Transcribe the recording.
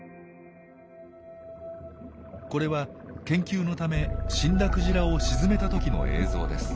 これは研究のため死んだクジラを沈めた時の映像です。